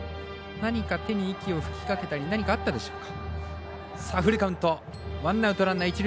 何か手に息を吹きかけたり何かあったでしょうか。